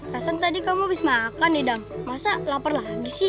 rasanya tadi kamu abis makan nidang masa lapar lagi sih